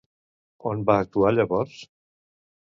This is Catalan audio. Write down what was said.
On va actuar llavors?